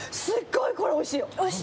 すっごいこれおいしいよ。